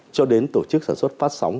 cho đến tổ chức sản xuất phát sóng